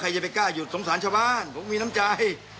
จะไปกล้าหยุดสงสารชาวบ้านผมมีน้ำใจ